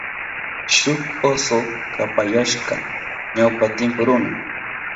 Shuk oso kapayashka ñawpa timpu runa.